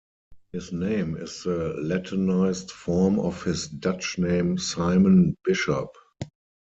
His name is the Latinized form of his Dutch name Simon Bisschop.